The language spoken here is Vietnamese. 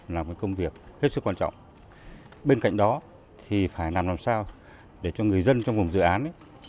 là một công việc hết sức quan trọng bên cạnh đó thì phải làm làm sao để cho người dân trong vùng dự án